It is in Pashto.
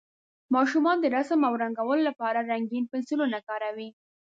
ماشومان د رسم او رنګولو لپاره رنګین پنسلونه کاروي.